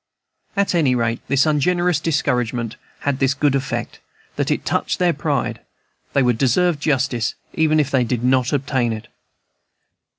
At any rate, this ungenerous discouragement had this good effect, that it touched their pride; they would deserve justice, even if they did not obtain it.